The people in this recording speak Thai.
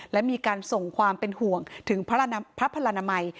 และมีการส่งความเป็นห่วงถึงพระพลนามัย